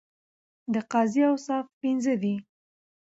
د قاضی اوصاف پنځه دي.